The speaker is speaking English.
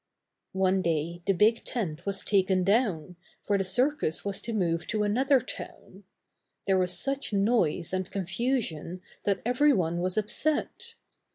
One day the big tent was taken down, for the circus was to move to another town. There was such noise and confusion that every one was upset.